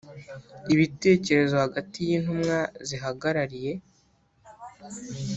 ibitekerezo hagati y’ intumwa zihagarariye